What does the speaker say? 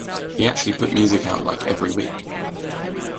He actually put music out like every week.